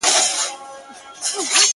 په جرګو یې سره خپل کړې مختورن یې دښمنان کې،